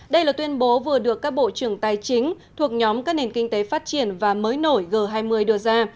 đây là tuyên bố vừa được các bộ trưởng tài chính thuộc nhóm các nền kinh tế phát triển và mới nổi g hai mươi đưa ra